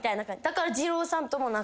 だからじろうさんとも。